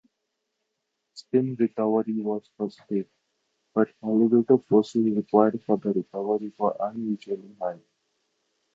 Spin recovery was positive but elevator forces required for recovery were unusually high.